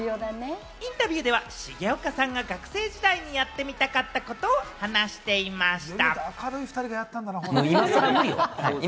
インタビューでは重岡さんが学生時代にやってみたかったことを話していました。